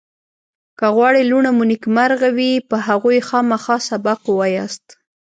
که غواړئ لوڼه مو نېکمرغ وي په هغوی خامخا سبق ووایاست